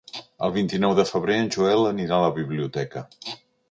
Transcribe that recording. El vint-i-nou de febrer en Joel anirà a la biblioteca.